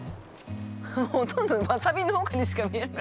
ほとんどわさび農家にしか見えない。